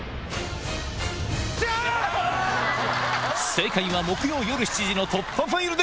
正解は木曜夜７時の『突破ファイル』で！